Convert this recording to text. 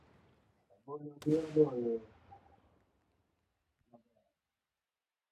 Rabolo gi odoyo maber